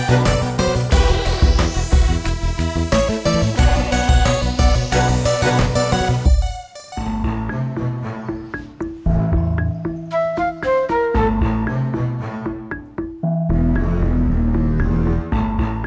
sampai jumpa lagi